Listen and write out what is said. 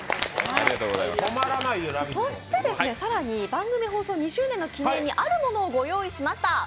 そして更に番組放送２周年の記念にあるものをご用意しました。